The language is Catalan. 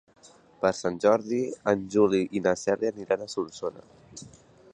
Per Sant Jordi en Juli i na Cèlia aniran a Solsona.